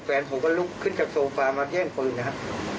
แฟนผมก็ลุกขึ้นจากโซฟามาแย่งปืนนะครับ